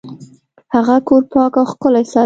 هغه کور پاک او ښکلی ساته.